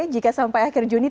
jika sampai akhir juni